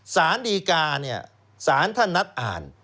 สารดีกาเนี่ยสารท่านนัดอ่าน